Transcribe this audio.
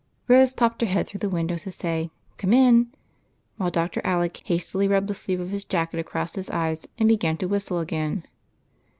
Rose popped her head through the window to say " come in," while Dr. Alec hastily rubbed the sleeve of his jacket across his eyes and began to whistle again.